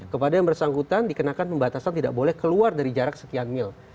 kepada yang bersangkutan dikenakan pembatasan tidak boleh keluar dari jarak sekian mil